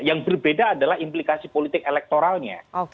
yang berbeda adalah implikasi politik elektoralnya